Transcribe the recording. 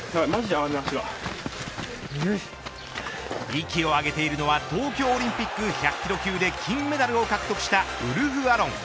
息をあげているのは東京オリンピック１００キロ級で金メダルを獲得したウルフアロン。